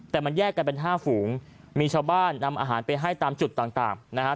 แต่มันแยกกันเป็นห้าฝูงมีชาวบ้านนำอาหารไปให้ตามจุดต่างนะฮะ